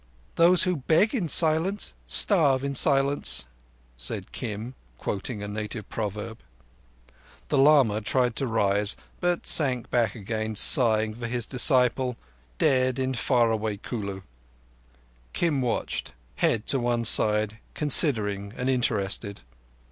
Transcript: "Those who beg in silence starve in silence," said Kim, quoting a native proverb. The lama tried to rise, but sank back again, sighing for his disciple, dead in far away Kulu. Kim watched head to one side, considering and interested.